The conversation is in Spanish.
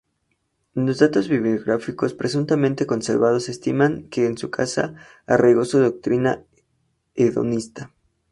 Los datos biográficos presuntamente conservados estiman que en su casa arraigó su doctrina hedonista.